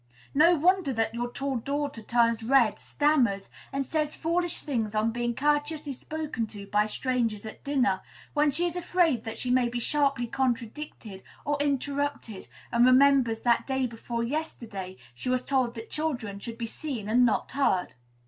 No wonder that your tall daughter turns red, stammers, and says foolish things on being courteously spoken to by strangers at dinner, when she is afraid that she may be sharply contradicted or interrupted, and remembers that day before yesterday she was told that children should be seen and not heard.